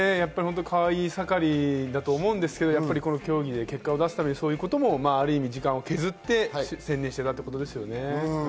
かわいい盛りだと思うんですが、この競技で結果を出すためにそういうこともある意味、時間を削って専念していたということですよね。